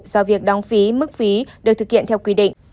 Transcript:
do việc đóng phí mức phí được thực hiện theo quy định